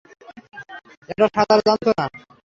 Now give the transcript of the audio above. এটা সাঁতার জানত না।